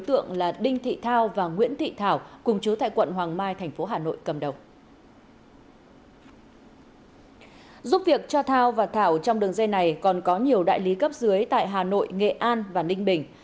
trong đường xa thao và thảo trong đường dây này còn có nhiều đại lý cấp dưới tại hà nội nghệ an và ninh bình